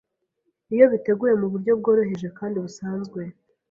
iyo biteguwe mu buryo bworoheje kandi busanzwe